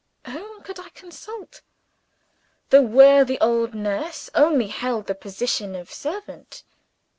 Whom could I consult? The worthy old nurse only held the position of servant.